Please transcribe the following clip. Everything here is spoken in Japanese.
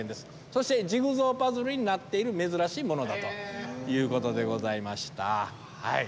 そしてジグソーパズルになっている珍しいものだということでございました。